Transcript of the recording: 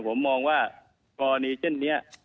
ผมมองว่ากรณีเช่นนี้